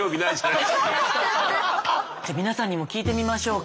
じゃあ皆さんにも聞いてみましょうか。